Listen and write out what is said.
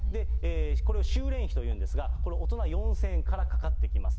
これを修錬費というんですが、これ大人４０００円からかかってきます。